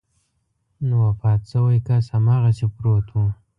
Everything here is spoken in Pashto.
نو وفات شوی کس هماغسې پروت و.